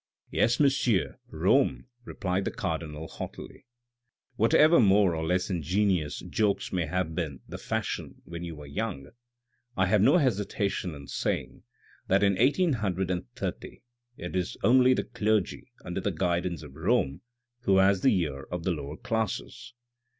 " Yes, monsieur, Rome," replied the Cardinal haughtily. " Whatever more or less ingenious jokes may have been the THE CLERGY, THE FORESTS, LIBERTY 393 fashion when you were young, I have no hesitation in saying that in 1830 it is only the clergy, under the guidance of Rome, who has the ear of the lower classes.